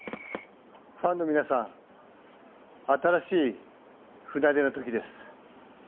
ファンの皆さん、新しい船出のときです。